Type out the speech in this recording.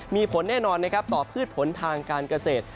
มีผลแน่นอนต่อพืชผลทางการเกษตร